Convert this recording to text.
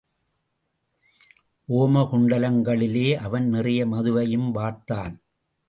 ஓம குண்டங்களிலே அவன் நிறைய மதுவையும் வார்த்தன்.